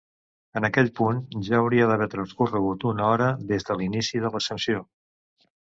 En aquell punt, ja hauria d'haver transcorregut una hora des de l'inici de l'ascensió.